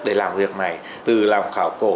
để làm việc này từ làm khảo cổ